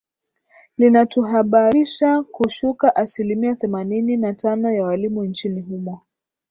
linatuhabarisha kushuka asilimia themanini na tano ya walimu nchini humo